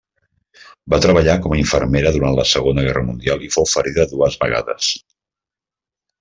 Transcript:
Va treballar com a infermera durant la Segona Guerra Mundial i fou ferida dues vegades.